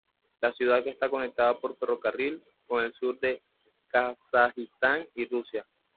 La ciudad está conectada por ferrocarril con el sur de Kazajistán y Rusia.